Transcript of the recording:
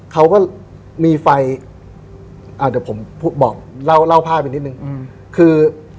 เขาก็มีไฟเดี๋ยวผมเล่าผ้าไปนิดนึง